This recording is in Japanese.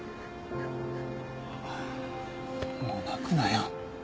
もう泣くなよ。